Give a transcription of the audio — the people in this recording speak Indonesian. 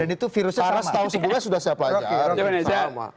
dan itu virusnya setahun sebelumnya sudah siap saja